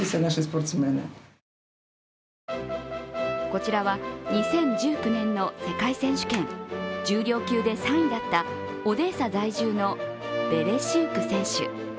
こちらは２０１９年の世界選手権、重量級で３位だったオデーサ在住のヴェレシウク選手。